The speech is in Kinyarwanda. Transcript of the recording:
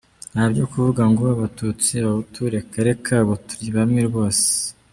Nta byo kuvuga ngo abatutsi, abahutu reka reka ubu turi bamwe rwose.